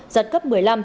giật cấp một mươi năm